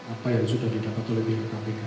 apa yang sudah didapat oleh pihak kpk